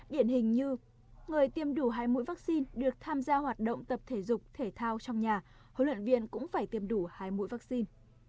điển hình như người tiêm đủ hai mũi vaccine được tham gia hoạt động tập thể dục thể thao trong nhà huấn luyện viên cũng phải tiêm đủ hai mũi vaccine